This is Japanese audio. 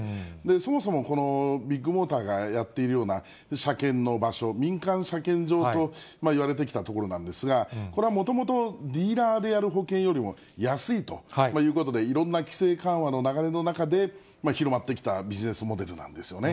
そもそもこのビッグモーターがやっているような車検の場所、民間車検場といわれてきたところなんですが、これはもともと、ディーラーでやる保険よりも安いということで、いろんな規制緩和の流れの中で広まってきたビジネスモデルなんですよね。